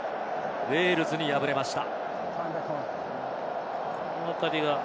ウェールズに敗れました。